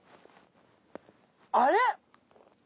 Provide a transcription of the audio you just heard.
あれ？